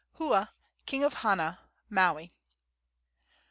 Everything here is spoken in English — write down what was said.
Hua, king of Hana, Maui.